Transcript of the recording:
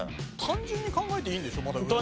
単純に考えていいんです。